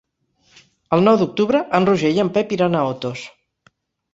El nou d'octubre en Roger i en Pep iran a Otos.